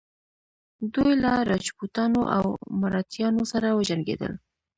دوی له راجپوتانو او مراتیانو سره وجنګیدل.